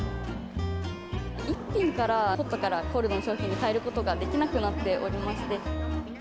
１品から、ホットからコールドの商品に変えることができなくなっておりまし